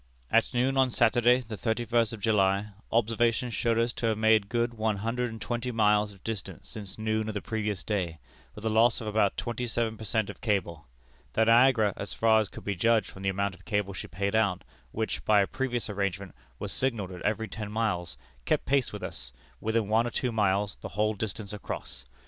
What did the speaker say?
"At noon on Saturday, the thirty first of July, observations showed us to have made good one hundred and twenty miles of distance since noon of the previous day, with a loss of about twenty seven per cent of cable. The Niagara, as far as could be judged from the amount of cable she paid out, which, by a previous arrangement, was signalled at every ten miles, kept pace with us, within one or two miles, the whole distance across.